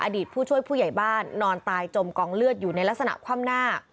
ผู้ช่วยผู้ใหญ่บ้านนอนตายจมกองเลือดอยู่ในลักษณะคว่ำหน้า